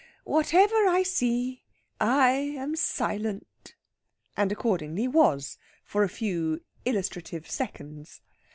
Whatever I see, I am silent." And accordingly was for a few illustrative seconds.